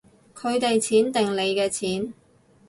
佢哋錢定你嘅錢